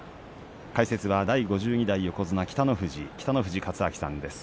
解説は第５２代横綱北の富士の北の富士勝昭さんです。